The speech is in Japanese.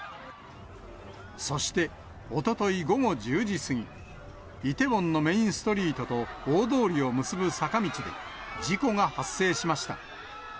そしておととい午後１０時過ぎ、イテウォンのメインストリートと大通りを結ぶ坂道で、事故が発生しました。